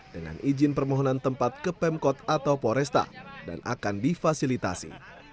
dengan izin permohonan tempat ke pemkot atau poresta dan akan difasilitasi